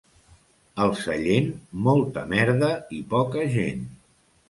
El Sallent, molta merda i poca gent.